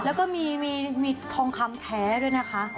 แล้วก็มีทองคำแท้ด้วยนะคะ